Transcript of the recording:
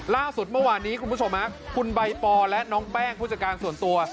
ล่าสุดเมื่อวานนี้คุณผู้ชมคุณใบปอและน้องแป้งผู้จัดการส่วนตัว